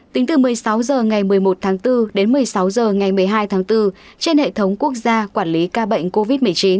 tính từ một mươi sáu h ngày một mươi một tháng bốn đến một mươi sáu h ngày một mươi hai tháng bốn trên hệ thống quốc gia quản lý ca bệnh covid một mươi chín